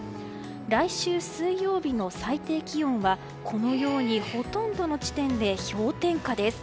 来週水曜日の最低気温はこのようにほとんどの地点で氷点下です。